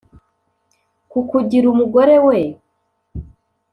kukugira umugore we.